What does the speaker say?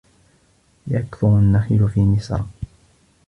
يَكْثُرُ النَّخِيلُ فِي مِصْرَ.